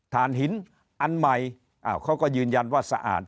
ฐานหินอันใหม่เขาก็ยืนยันว่าสะอาด